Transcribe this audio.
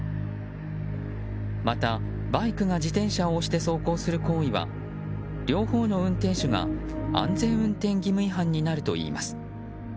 また、バイクが自転車を押して走行する行為は両方の運転手が安全運転義務違反になるといいます。